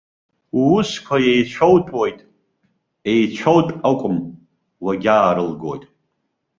Уусқәа еицәоутәуеит, еицәоутә акәым, уагьаарылгоит.